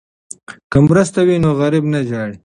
که مرسته وي نو غریب نه ژاړي.